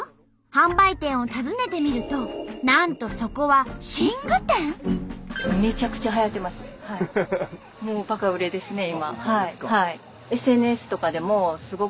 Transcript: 販売店を訪ねてみるとなんとそこはめちゃくちゃ柔らかいですね。